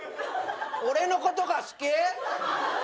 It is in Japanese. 俺のことが好き？